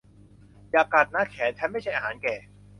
อย่ากัดนะ แขนฉันไม่ใช่อาหารแก